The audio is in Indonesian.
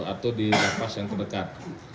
atau di lapas yang terdekat